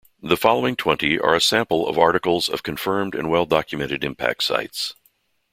The following twenty are a sample of articles of confirmed and well-documented impact sites.